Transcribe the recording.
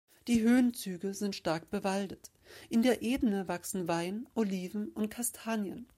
Die Höhenzüge sind stark bewaldet, in der Ebene wachsen Wein, Oliven und Kastanien.